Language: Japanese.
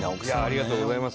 ありがとうございます